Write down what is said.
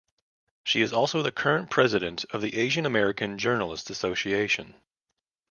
She is also the current president of the Asian American Journalists Association.